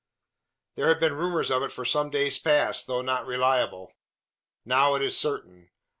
"That there have been rumours of it for some days past, though not reliable. Now it is certain.